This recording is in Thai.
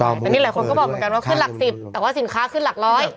แต่นี่หลายคนก็บอกเหมือนกันว่าขึ้นหลัก๑๐แต่ว่าสินค้าขึ้นหลักร้อย